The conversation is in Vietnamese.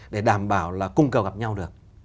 để đảm bảo là cùng cầu gặp nhau được